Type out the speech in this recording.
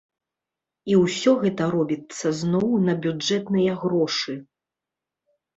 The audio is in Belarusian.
І ўсё гэта робіцца зноў на бюджэтныя грошы.